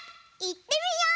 いってみよう！